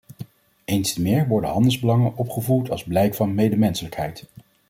Eens te meer worden handelsbelangen opgevoerd als blijk van medemenselijkheid.